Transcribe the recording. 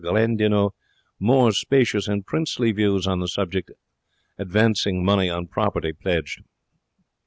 Gandinot more spacious and princely views on the subject of advancing money on property pledged.